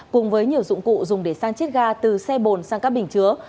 cùng với nhiều dụng cụ dùng để sang chiếc ga từ xe bồn sang các bình chứa